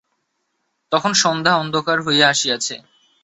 তখন সন্ধ্যা অন্ধকার হইয়া আসিয়াছে।